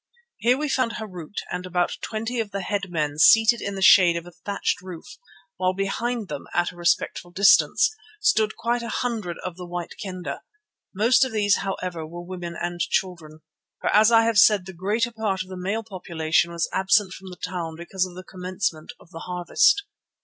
Here we found Harût and about twenty of the headmen seated in the shade of a thatched roof, while behind them, at a respectful distance, stood quite a hundred of the White Kendah. Most of these, however, were women and children, for as I have said the greater part of the male population was absent from the town because of the commencement of the harvest.